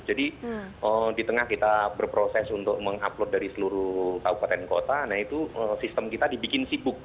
jadi di tengah kita berproses untuk mengupload dari seluruh kabupaten kota nah itu sistem kita dibikin sibuk